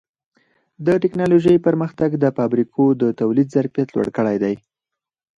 د ټکنالوجۍ پرمختګ د فابریکو د تولید ظرفیت لوړ کړی دی.